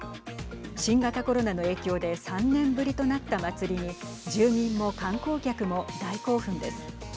新型コロナの影響で３年ぶりとなった祭りに住民も観光客も大興奮です。